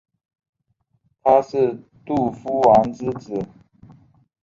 他是杜夫王之子。